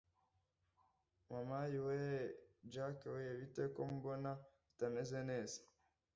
mama ayiweee! jack wee bite ko mbona utameze neza